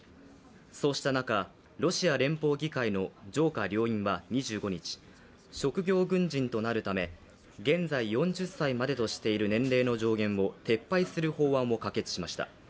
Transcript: そうした中、ロシア連邦議会の上下両院は２５日、職業軍人となるため現在４０歳までとしている年齢の上限を撤廃する法案を可決しました。